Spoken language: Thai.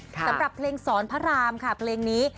สำหรับเพลงสอนพระรามค่ะเพลงนี้